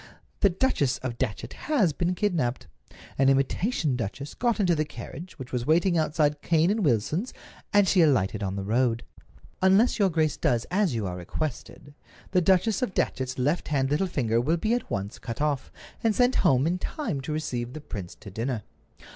The Duchess of Datchet has been kidnaped. An imitation duchess got into the carriage, which was waiting outside Cane and Wilson's, and she alighted on the road. Unless your grace does as you are requested, the Duchess of Datchet's left hand little finger will be at once cut off, and sent home in time to receive the prince to dinner.